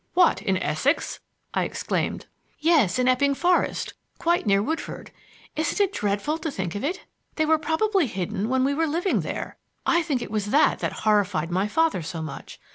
"What! in Essex?" I exclaimed. "Yes, in Epping Forest, quite near Woodford. Isn't it dreadful to think of it? They were probably hidden when we were living there. I think it was that that horrified my father so much.